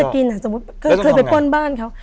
เคยไปป้นบ้านเขา